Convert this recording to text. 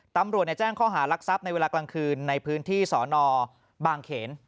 ตำรวจแจ้งข้อหารักทรัพย์ในเวลากลางคืนในพื้นที่สอนอบางเขน